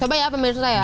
coba ya pemirsa ya